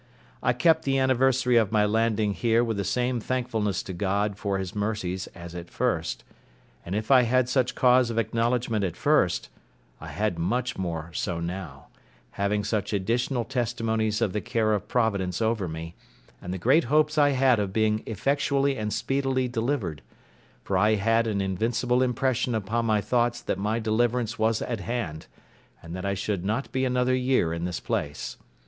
I kept the anniversary of my landing here with the same thankfulness to God for His mercies as at first: and if I had such cause of acknowledgment at first, I had much more so now, having such additional testimonies of the care of Providence over me, and the great hopes I had of being effectually and speedily delivered; for I had an invincible impression upon my thoughts that my deliverance was at hand, and that I should not be another year in this place.